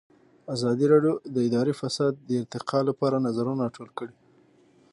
ازادي راډیو د اداري فساد د ارتقا لپاره نظرونه راټول کړي.